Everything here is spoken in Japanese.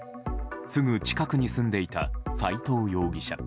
すぐ近くに住んでいた斎藤容疑者。